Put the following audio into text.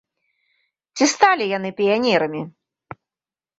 Ці сталі яны піянерамі?